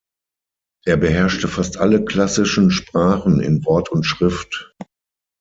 Er beherrschte fast alle klassischen Sprachen in Wort und Schrift.